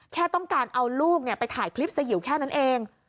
แค่ต้องการเอาลูกไปถ่ายคลิปสยิวแค่นั้นเอง